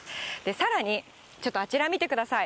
さらにちょっとあちら見てください。